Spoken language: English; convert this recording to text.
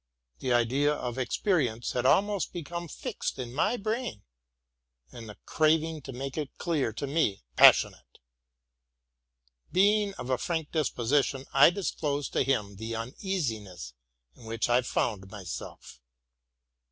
The idea of experience had almost become fixed in my brain, and the craving to make it clear to me passionate. Being of a frank disposition, I disclosed to him the uneasi ness in which I found myself.